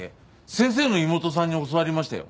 先生の妹さんに教わりましたよ。